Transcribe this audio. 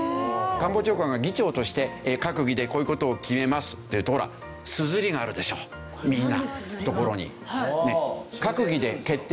官房長官が議長として閣議でこういう事を決めますというとほらすずりがあるでしょみんなのところに。